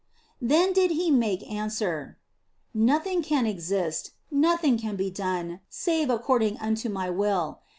Then did He make answer: " Nothing can exist, nothing can be done save according unto My will.